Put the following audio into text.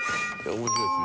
面白いですね。